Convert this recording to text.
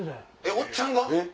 おっちゃんが？